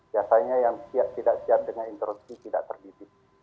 biasanya yang siap siap dengan interusi tidak terdiri